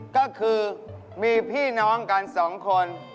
ก็คือมีพี่น้องกัน๒คน